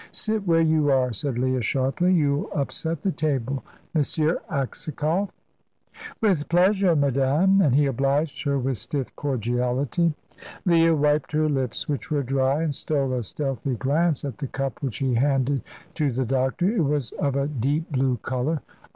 "Sit where you are," said Leah, sharply; "you'll upset the table. M. Aksakoff!" "With pleasure, madame"; and he obliged her with stiff cordiality. Leah wiped her lips, which were dry, and stole a stealthy glance at the cup which he handed to the doctor. It was of a deep blue colour.